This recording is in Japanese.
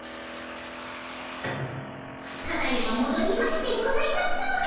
ただいまもどりましてございます。